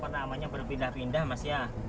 jadi lokasi mereka kan berpindah pindah mas